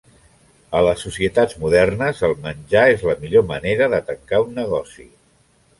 A les societats modernes el menjar és la millor manera de tancar un negoci.